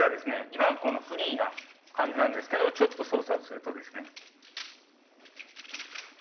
今このフリーな感じなんですけどちょっと操作をするとですね。